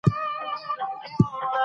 توتکیه ځان هوښیار درته ښکاریږي